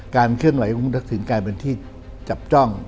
เคลื่อนไหวของคุณทักษิณกลายเป็นที่จับจ้อง